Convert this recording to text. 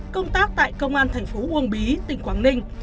công tác tại công an thành phố uông bí tỉnh quảng ninh